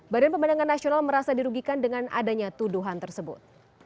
badan pemenangan nasional merasa dirugikan dengan adanya tuduhan tersebut